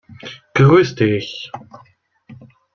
Grüß dich!